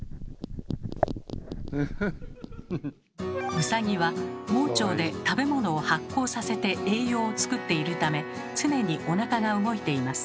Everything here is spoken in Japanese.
ウサギは盲腸で食べ物を発酵させて栄養を作っているため常におなかが動いています。